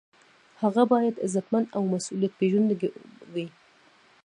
هغه باید عزتمند او مسؤلیت پیژندونکی وي.